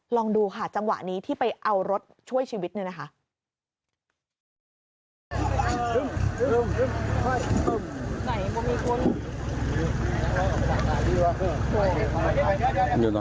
ลองดูค่ะจังหวะนี้ที่ไปเอารถช่วยชีวิตเนี่ยนะคะ